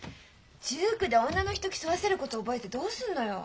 １９で女の人競わせること覚えてどうするのよ！